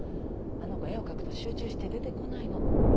あの子絵を描くと集中して出てこないの。